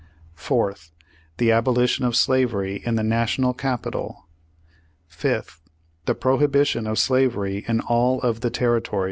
"Fourth. The abolition of slavery in the National capi tal. "Fifth. The prohibition of slavery in all of the terri tories.